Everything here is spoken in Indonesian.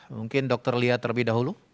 mungkin dokter lia terlebih dahulu